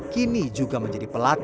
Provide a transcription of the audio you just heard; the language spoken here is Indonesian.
kini juga menjadi pelarangan